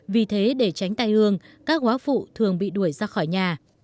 vì thế để tránh tai hương các quá phụ thường bị đuổi ra khỏi nhà